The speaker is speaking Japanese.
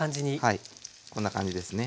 はいこんな感じですね。